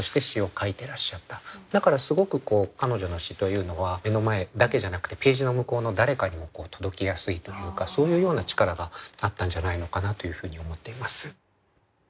だからすごく彼女の詩というのは目の前だけじゃなくてページの向こうの誰かに届けやすいというかそういうような力があったんじゃないのかなというふうに思っています。